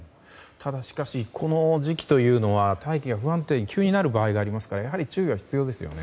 しかしこの時期というのは大気が不安定に急になる場合がありますからやはり注意が必要ですよね。